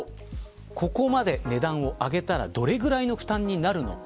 ここまで値段を上げたらどれくらいの負担になるのか。